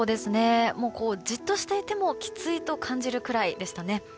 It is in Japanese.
じっとしていてもきついと感じるくらいでしたね。